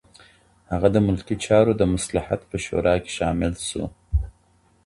هغه د ملکي چارو د مصلحت په شورا کې شامل شو.